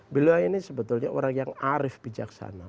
beliau ini sebetulnya orang yang arif bijaksana